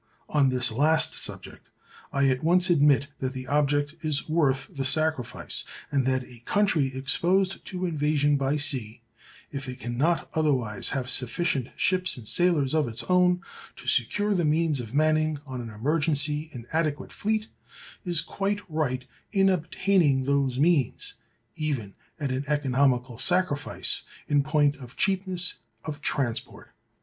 On this last subject I at once admit that the object is worth the sacrifice; and that a country exposed to invasion by sea, if it can not otherwise have sufficient ships and sailors of its own to secure the means of manning on an emergency an adequate fleet, is quite right in obtaining those means, even at an economical sacrifice in point of cheapness of transport.